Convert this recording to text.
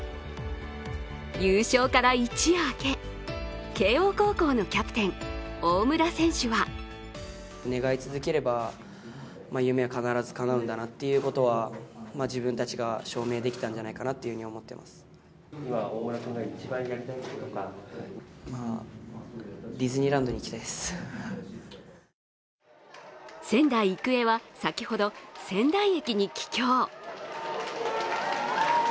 優勝から一夜明け、慶応高校のキャプテン、大村選手は仙台育英は先ほど、仙台駅に帰郷。